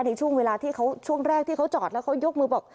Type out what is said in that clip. ในช่วงเวลาที่เขาช่วงแรกที่เขาจอดแล้วเขายกมือบอก